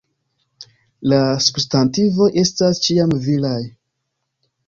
La substantivoj estas ĉiam viraj.